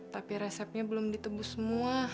tapi resepnya belum ditebus semua